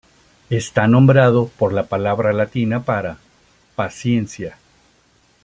Está nombrado por la palabra latina para "paciencia".